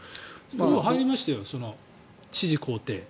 入りましたよ、知事公邸。